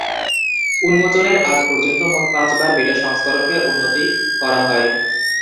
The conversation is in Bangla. উন্মোচনের আগ পর্যন্ত মোট পাঁচবার বেটা সংস্করণকে উন্নতি করা হয়।